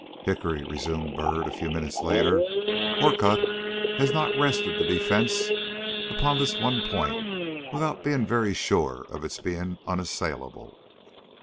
"Hickory," resumed Byrd, a few minutes later, "Orcutt has not rested the defence upon this one point without being very sure of its being unassailable."